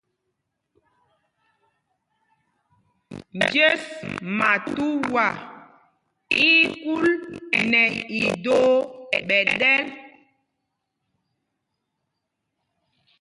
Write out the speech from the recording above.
Njes matuá í í kúl nɛ idōō ɓɛ ɗɛ́l.